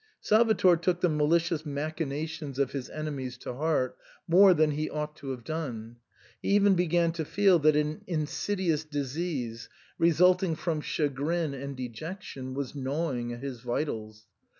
Salvator took the malicious* machinations of his SIGNOR FORMICA. 153 enemies to heart more than he ought to have done ; he even began to feel that an insidious disease, result ing from chagrin and dejection, was gnawing at his vitals.